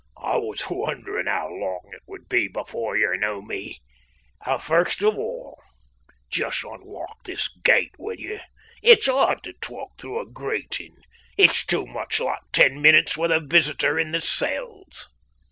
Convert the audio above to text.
"I was wondering how long it would be before you knew me. And, first of all, just unlock this gate, will you? It's hard to talk through a grating. It's too much like ten minutes with a visitor in the cells."